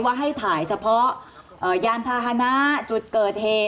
ว่าให้ถ่ายเฉพาะยานพาหนะจุดเกิดเหตุ